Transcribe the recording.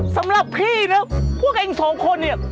สำหรับพี่นะพวกเองสองคนเนี่ย